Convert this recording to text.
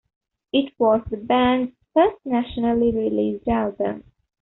It was the band's first nationally-released album.